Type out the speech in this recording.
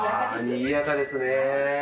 にぎやかですね。